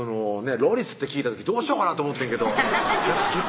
ロリスって聞いた時どうしようかなと思ってんけど結果